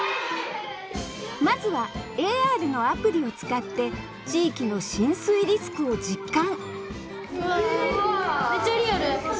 まずはＡＲのアプリを使って地域の浸水リスクを実感わ！